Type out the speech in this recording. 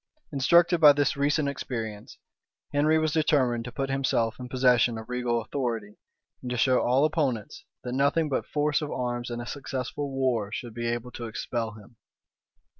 Instructed by this recent experience, Henry was determined to put himself in possession of regal authority, and to show all opponents, that nothing but force of arms and a successful war should be able to expel him.